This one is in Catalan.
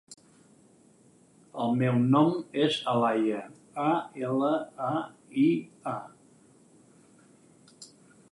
El meu nom és Alaia: a, ela, a, i, a.